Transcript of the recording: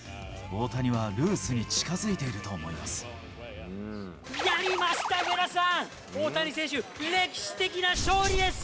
大谷はルースに近づいていると思やりました、上田さん、大谷選手、歴史的な勝利です。